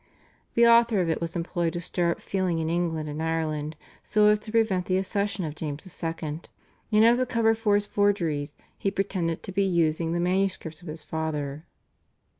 The author of it was employed to stir up feeling in England and Ireland so as to prevent the accession of James II., and as a cover for his forgeries he pretended to be using the manuscripts of his father.